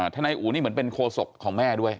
ทนายอู๋นี่เหมือนเป็นโคศกของแม่ด้วย